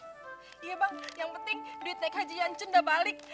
iya bang yang penting duit naik haji ncun udah balik